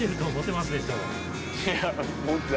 いや。